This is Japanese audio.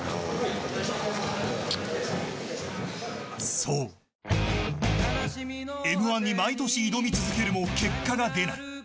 そう、Ｍ‐１に毎年挑み続けるも結果が出ない。